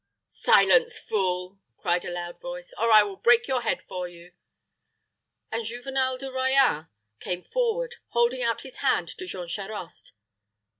"Silence, fool!" cried a loud voice, "or I will break your head for you." And Juvenel de Royans came forward, holding out his hand to Jean Charost.